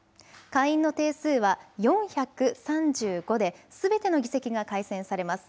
下院の定数は４３５ですべての議席が改選されます。